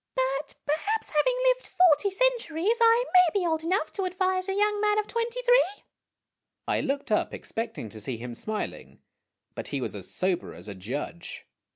1 84 IAIAGINOTIONS " but perhaps, having lived forty centuries, I may be old enough to advise a young man of twenty three." I looked up, expecting to see him smiling, but he was as sober as a judge.